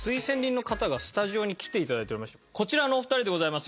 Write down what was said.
こちらのお二人でございます。